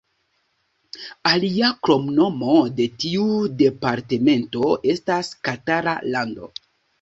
Alia kromnomo de tiu departemento estas Katara Lando.